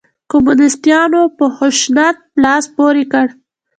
کمونسیتانو په خشونت لاس پورې کړ.